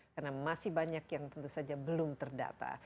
karena masih banyak yang belum terdata